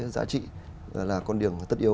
giá trị là con điểm tất yếu